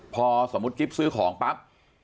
พอสมมุติจิ๊บซื้อของปั๊บ